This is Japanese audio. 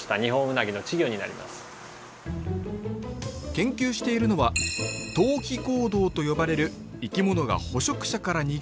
研究しているのは逃避行動と呼ばれる生き物が捕食者から逃げる動き。